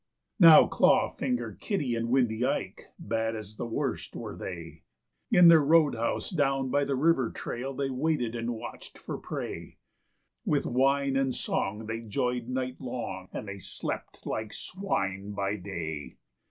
II. Now Claw fingered Kitty and Windy Ike, bad as the worst were they; In their road house down by the river trail they waited and watched for prey; With wine and song they joyed night long, and they slept like swine by day.